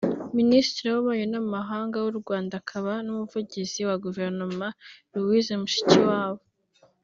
Minisitiri w’ububanyi n’ amahanga w’u Rwanda akaba n’umuvugizi wa guverinoma Louise Mushikiwabo